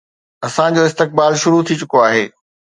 اسان جو استقبال شروع ٿي چڪو آهي